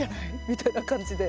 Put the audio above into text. みたいな感じで。